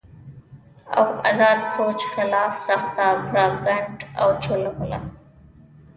او ازاد سوچ خلاف سخته پراپېګنډه اوچلوله